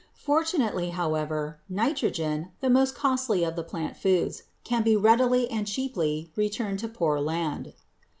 Fortunately, however, nitrogen, the most costly of the plant foods, can be readily and cheaply returned to poor land.